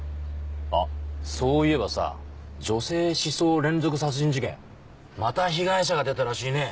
あっそういえばさ女性刺創連続殺人事件また被害者が出たらしいね。